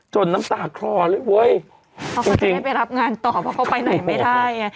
น้ำตาคลอเลยเว้ยเขาก็จะไม่ไปรับงานต่อเพราะเขาไปไหนไม่ได้ไง